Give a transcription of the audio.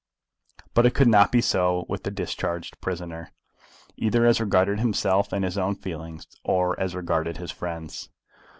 But it could not be so with this discharged prisoner, either as regarded himself and his own feelings, or as regarded his friends.